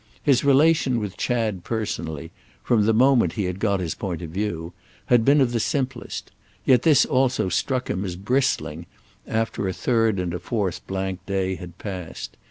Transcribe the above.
His relation with Chad personally—from the moment he had got his point of view—had been of the simplest; yet this also struck him as bristling, after a third and a fourth blank day had passed.